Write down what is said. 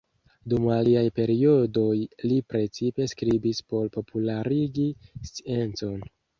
Dum aliaj periodoj li precipe skribis por popularigi sciencon.